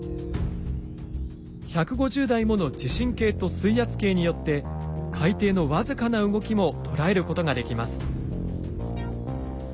１５０台もの地震計と水圧計によって海底の僅かな動きも捉えることができます。